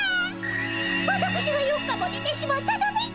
わたくしが４日もねてしまったために。